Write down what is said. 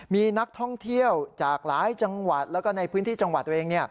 มีนักท่องเที่ยวจากหลายจังหวัดแล้วก็ในพื้นที่จังหวัดตัวเอง